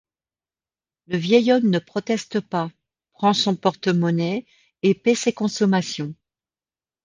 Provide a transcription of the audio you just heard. Le vieil homme ne proteste pas, prend son porte-monnaie et paie ses consommations.